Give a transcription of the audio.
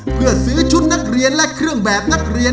เพื่อซื้อชุดนักเรียนและเครื่องแบบนักเรียน